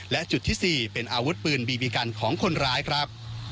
และจุดที่๔เป็นอาวุธปืนบีบีกันของคนร้ายครับ